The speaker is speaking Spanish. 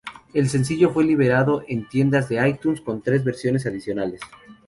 El sencillo fue liberado en tiendas iTunes con tres versiones adicionales.